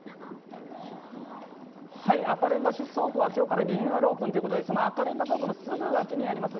赤レンガ倉庫が今日からリニューアルオープンということでその赤レンガ倉庫のすぐ横にあります